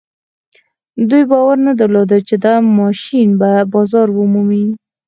دوی باور نه درلود چې دا ماشين به بازار ومومي.